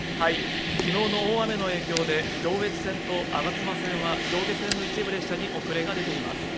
きのうの大雨の影響で、上越線と吾妻線は上下線の一部に遅れが出ています。